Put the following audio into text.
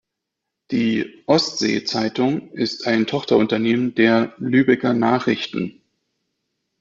Die "Ostsee-Zeitung" ist ein Tochterunternehmen der "Lübecker Nachrichten".